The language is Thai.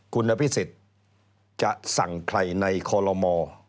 กุณพิษฎิจะสั่งใครในคอลโลมอล์